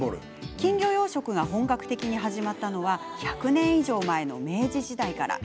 金魚養殖が本格的に始まったのは１００年以上前の明治時代から。